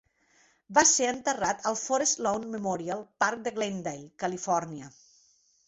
Va ser enterrat al Forest Lawn Memorial Park de Glendale, Califòrnia.